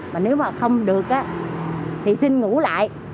mà nếu mà không được thì xin ngủ lại